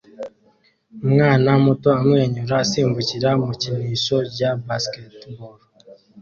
Umwana muto amwenyura asimbukira mukinisho rya basketball